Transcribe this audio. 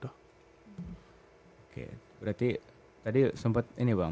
oke berarti tadi sempat ini bang